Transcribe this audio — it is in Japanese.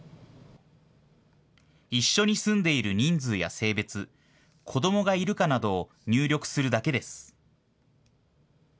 一緒に住んでいる人数や性別、子どもがいるかなどを入力するだけです。